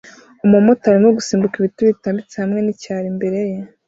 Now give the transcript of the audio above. Umumotari arimo gusimbuka ibiti bitambitse hamwe nicyaro imbere ye